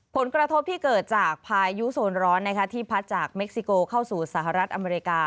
ผลกระทบที่เกิดจากพายุโซนร้อนที่พัดจากเม็กซิโกเข้าสู่สหรัฐอเมริกา